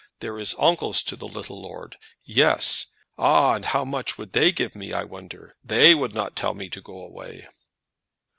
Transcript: There is uncles to the little lord; yes! Ah, how much would they give me, I wonder? They would not tell me to go away."